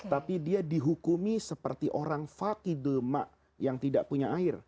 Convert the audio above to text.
tapi dia dihukumi seperti orang fakidul mak yang tidak punya air